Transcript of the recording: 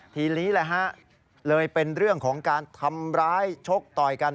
ทีนี้แหละฮะเลยเป็นเรื่องของการทำร้ายชกต่อยกัน